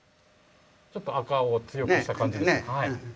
ちょっと赤を強くした感じです。